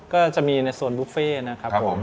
ก็จะมีในโซนบุฟเฟ่นะครับผม